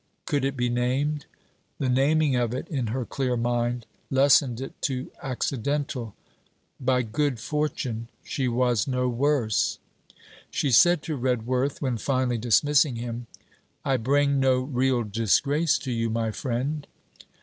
Could it be named? The naming of it in her clear mind lessened it to accidental: By good fortune, she was no worse! She said to Redworth, when finally dismissing him; 'I bring no real disgrace to you, my friend.'